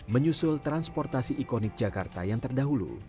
menyusul transportasi ikonik jakarta yang terdahulu